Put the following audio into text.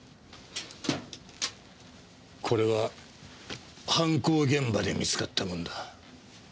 これは犯行現場で見つかったもんだ。